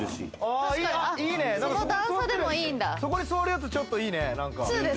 そこに座るやつ、ちょっといいね。